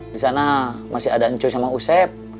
disana masih ada nco sama usep